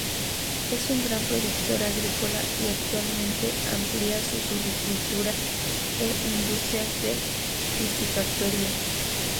Es un gran productor agrícola y actualmente amplía su silvicultura e industrias de piscifactoría.